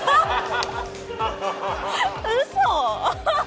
うそ！